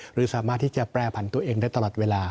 หรือสามารถที่จะแปรผันตัวเองได้ตลอดเวลา